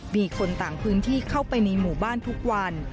มีคนต่างพื้นที่เข้าไปในหมู่บ้านทุกวัน